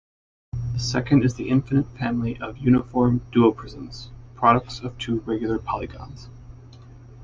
The second is the infinite family of uniform duoprisms, products of two regular polygons.